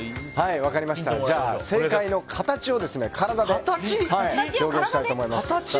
正解の形を体で表現したいと思います。